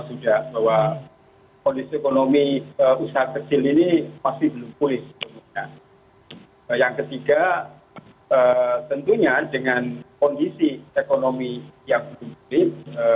pertama bahwa pada dasarnya pedagang itu kalau dalam posisi usahanya bagus tentunya kita akan memberikan